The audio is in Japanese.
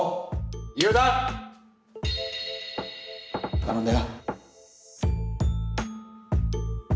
頼んだよ。